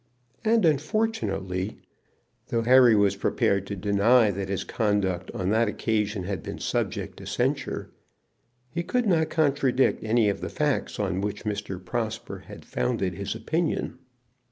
And unfortunately, though Harry was prepared to deny that his conduct on that occasion had been subject to censure, he could not contradict any of the facts on which Mr. Prosper had founded his opinion.